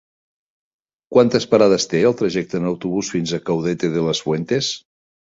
Quantes parades té el trajecte en autobús fins a Caudete de las Fuentes?